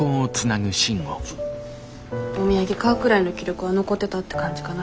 お土産買うくらいの気力は残ってたって感じかな。